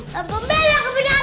sampai beri kebenaran